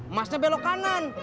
emasnya belok kanan